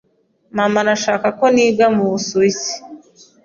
Mama arashaka ko niga mu Busuwisi.